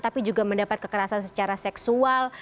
tapi juga mendapat kekerasan secara seksual